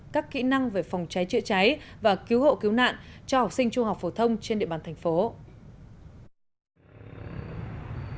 các kỹ năng về phòng cháy chữa cháy và cứu hộ cứu nạn cho học sinh trung học phổ thông trên địa bàn thành phố